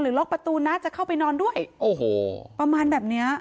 ล็อกประตูนะจะเข้าไปนอนด้วยโอ้โหประมาณแบบเนี้ย